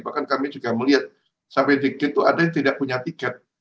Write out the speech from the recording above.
bahkan kami juga melihat sampai dikit itu ada yang tidak punya tiket